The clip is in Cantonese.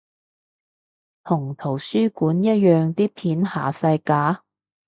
同圖書館一樣啲片下晒架？